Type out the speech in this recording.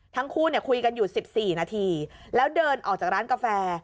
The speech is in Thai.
ทั้งคู่เนี่ยคุยกันอยู่๑๔นาทีแล้วเดินออกจากร้านกาแฟ